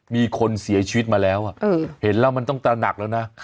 มีคนเสียชีวิตมาแล้วเห็นแล้วมันต้องตระหนักแล้วนะ